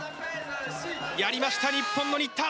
やりました日本の新田！